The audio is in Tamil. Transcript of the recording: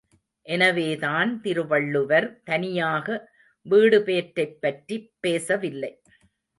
எனவேதான் திருவள்ளுவர் தனியாக வீடுபேற்றைப் பற்றிப் பேசவில்லை.